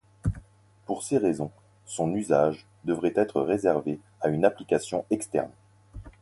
Pour ces raisons, son usage devrait être réservé à une application externe.